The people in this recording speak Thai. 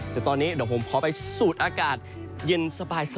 แต่ตอนนี้เดี๋ยวผมขอไปสูดอากาศเย็นสบาย